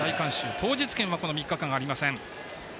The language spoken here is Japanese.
当日券はこの３日間、ありません。